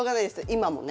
今もね。